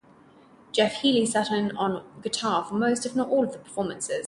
Jeff Healey sat in on guitar for most, if not all, of the performances.